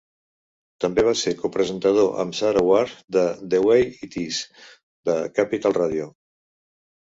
També va ser copresentador amb Sarah Ward de "The Way It Is" de Capital Radio.